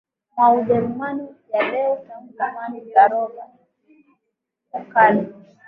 Mwa Ujerumani ya leo tangu zamani za Roma ya kale